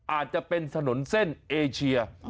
อาจจะเป็นถนนเส้นเอเชีย